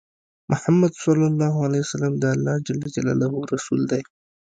محمد صلی الله عليه وسلم د الله جل جلاله رسول دی۔